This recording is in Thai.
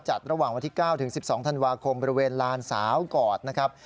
ระหว่างวันที่๙ถึง๑๒ธันวาคมบริเวณลานสาวกอดนะครับ